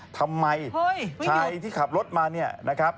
ทำไมชายที่ขับรถมาเนี่ยนะครับ